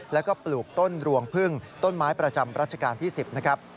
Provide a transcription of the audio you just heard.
แล้วก็ปลูกต้นรวงพึ่งต้นไม้ประจำรัชกาลที่๑๐นะครับ